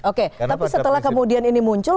oke tapi setelah kemudian ini muncul